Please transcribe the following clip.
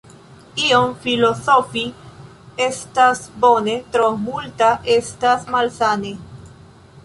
Iom filozofii estas bone, tro multe estas malsane.